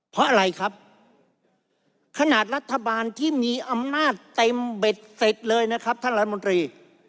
เพราะอะไรครับขนาดรัฐบาลที่มีอำนาจเต็มเบ็ดเสร็จเลยนะครับท่านรัฐมนตรี